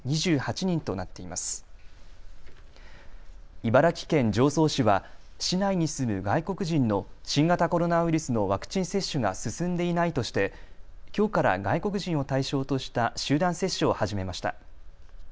茨城県常総市は市内に住む外国人の新型コロナウイルスのワクチン接種が進んでいないとしてきょうから外国人を対象とした集団接種を始めました。